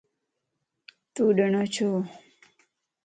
تو ڏڻھوَ ڇو؟